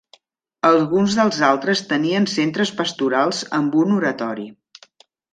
Alguns dels altres tenien centres pastorals amb un oratori.